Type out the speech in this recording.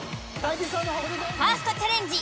ファーストチャレンジ